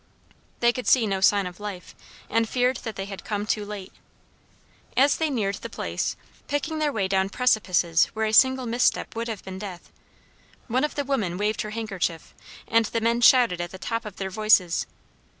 They could see no sign of life, and feared they had come too late. As they neared the place, picking their way down precipices where a single misstep would have been death, one of the women waved her handkerchief and the men shouted at the top of their voices.